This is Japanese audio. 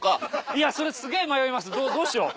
いやそれすげぇ迷いましたどうしよう？